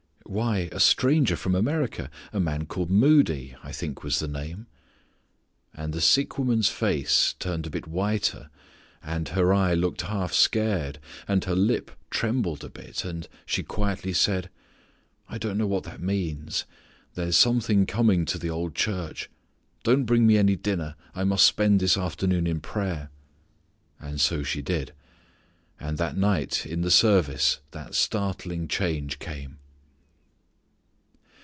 "Why, a stranger from America, a man called Moody, I think was the name." And the sick woman's face turned a bit whiter, and her eye looked half scared, and her lip trembled a bit, and she quietly said: "I know what that means. There's something coming to the old church. Don't bring me any dinner. I must spend this afternoon in prayer." And so she did. And that night in the service that startling change came.